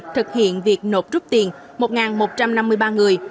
thực hiện việc nộp rút tiền một một trăm năm mươi ba người